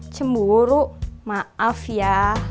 cemburu maaf ya